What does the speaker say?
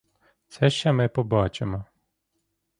Це ще ми побачимо.